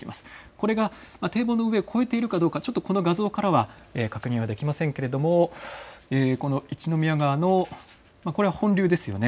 これが堤防の上を超えているかどうか、この画像からは確認はできませんが一宮川の本流ですよね。